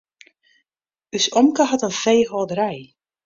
Us omke hat in feehâlderij.